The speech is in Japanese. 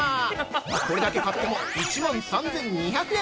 これだけ買っても１万３２００円。